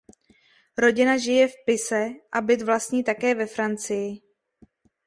Rodina žije v Pise a byt vlastní také ve Francii.